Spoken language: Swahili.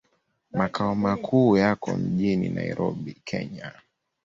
Makao makuu yako mjini Nairobi, Kenya.